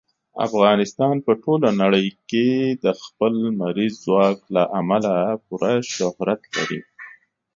افغانستان په ټوله نړۍ کې د خپل لمریز ځواک له امله پوره شهرت لري.